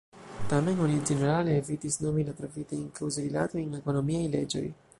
Tamen oni ĝenerale evitis nomi la trovitajn kaŭzorilatojn ekonomiaj leĝoj.